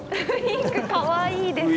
かわいいですね。